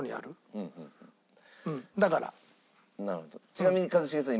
ちなみに一茂さん